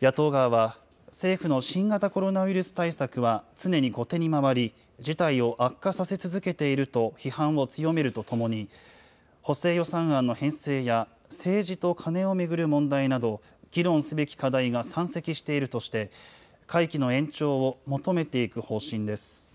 野党側は、政府の新型コロナウイルス対策は常に後手に回り、事態を悪化させ続けていると批判を強めるとともに、補正予算案の編成や政治とカネを巡る問題など、議論すべき課題が山積しているとして、会期の延長を求めていく方針です。